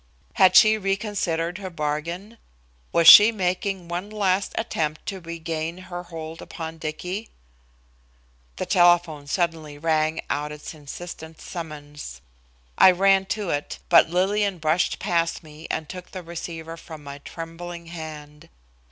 Had she reconsidered her bargain? Was she making one last attempt to regain her hold upon Dicky? The telephone suddenly rang out its insistent summons. I ran to it, but Lillian brushed past me and took the receiver from my trembling hand.